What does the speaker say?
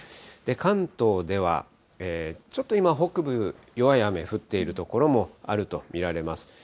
関東ではちょっと今、北部、弱い雨降っている所もあると見られます。